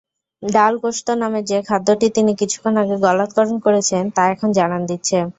ডাল-গোশত নামের যে খাদ্যটি তিনি কিছুক্ষণ আগে গলাধঃকরণ করেছেন, তা এখন জানান দিচ্ছে।